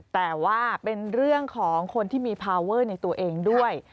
แต่ว่าเป็นเรื่องของคนที่มีพาวเวอร์ในตัวเองด้วย